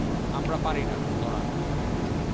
আমরা পারি না, নোরা।